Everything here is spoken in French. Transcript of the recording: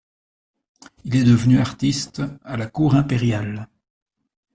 Il est devenu artiste à la cour impériale.